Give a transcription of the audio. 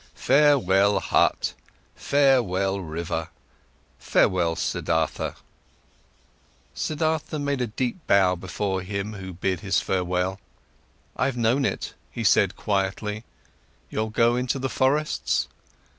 Farewell, but, farewell, river, farewell, Siddhartha!" Siddhartha made a deep bow before him who bid his farewell. "I've known it," he said quietly. "You'll go into the forests?"